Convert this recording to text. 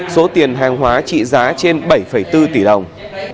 số tiền hàng hóa trị giá trên bảy bốn tỷ đồng